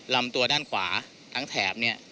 ลำตัวด้านขวาทั้งแถบเนี่ย